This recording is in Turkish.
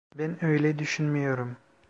Ben öyle düşünmüyorum.